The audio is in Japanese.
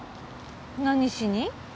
何しに？